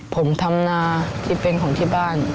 ผมทำนาที่เป็นของที่บ้าน